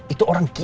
itu orang gini ya